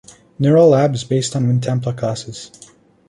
Neural Lab is based on Wintempla classes.